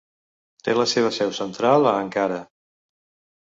Té la seva seu central a Ankara.